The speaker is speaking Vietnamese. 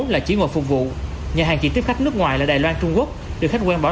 là chỉ ngồi phục vụ nhà hàng chỉ tiếp khách nước ngoài là đài loan trung quốc được khách quen bảo